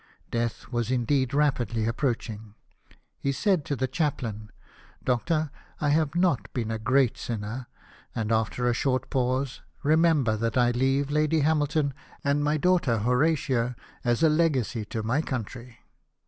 Death was indeed rapidly approaching. He said to the chaplain, "Doctor, I have not been a great sinner "; and after a short pause, '' Remember that I leave Lady Hamilton and my daughter Horatia as a legacy to my country."